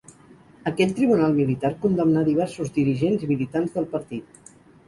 Aquell tribunal militar condemnà a diversos dirigents i militants del partit.